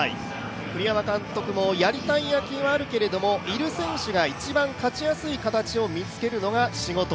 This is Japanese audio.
栗山監督も、やりたい野球はあるけれども、いる選手が一番、勝ちやすい形を見つけるのが仕事。